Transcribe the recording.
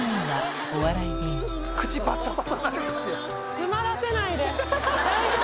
詰まらせないで大丈夫？